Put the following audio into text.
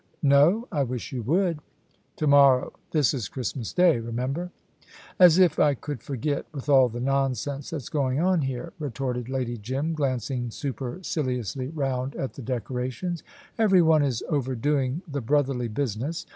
No? I wish you would." "To morrow. This is Christmas Day, remember." "As if I could forget, with all the nonsense that's going on here," retorted Lady Jim, glancing superciliously round at the decorations. "Every one is overdoing the brotherly business.